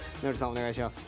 お願いします。